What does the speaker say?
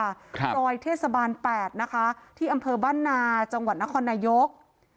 ซอยเทศบาล๘นะคะที่อำเภอบ้านนาจังหวัดนครนายก